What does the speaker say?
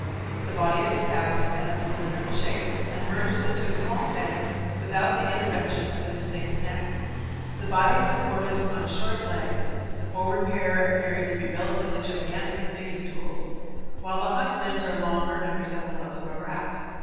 The body is stout and of cylindrical shape, and merges into a small head without the intervention of a distinct neck. The body is supported on short legs; the forward pair appear to be relatively gigantic digging tools, while the hind limbs are longer and resemble those of the rat.